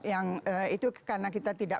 yang itu karena kita tidak